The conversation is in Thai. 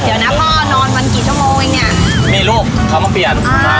เดี๋ยวนะพ่อนอนวันกี่ชั่วโมงเองเนี่ยมีลูกเขามาเปลี่ยน